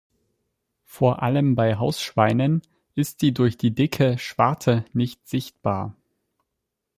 Vor allem bei Hausschweinen ist sie durch die dicke Schwarte nicht sichtbar.